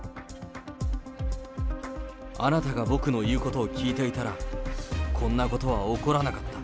あなたが僕の言うことを聞いていたら、こんなことは起こらなかった。